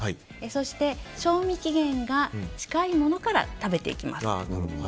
そして、賞味期限が近いものから食べていきます。